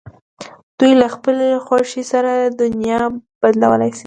دوی له خپلې خوښې سره دنیا بدلولای شي.